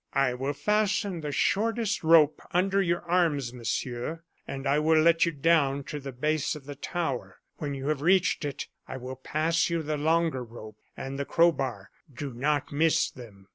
"I will fasten the shortest rope under your arms, Monsieur, and I will let you down to the base of the tower. When you have reached it, I will pass you the longer rope and the crowbar. Do not miss them.